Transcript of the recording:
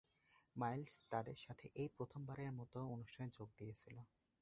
Miles তাদের সাথে সেই প্রথম বারের মত অনুষ্ঠানে যোগ দিয়েছিল।